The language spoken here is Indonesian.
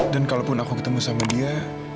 kalaupun aku ketemu sama dia